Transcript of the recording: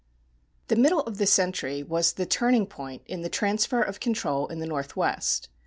The middle of the century was the turning point in the transfer of control in the Northwest.